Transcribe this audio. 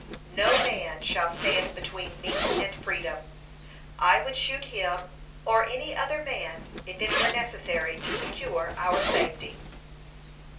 "No man shall stand between me and freedom. I would shoot him or any other man, if it were necessary to secure our safety."